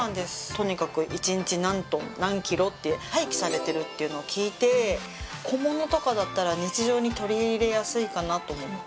とにかく一日何トン何ｋｇって廃棄されてるっていうのを聞いて小物とかだったら日常に取り入れやすいかなと思って。